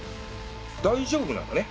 大丈夫なのね？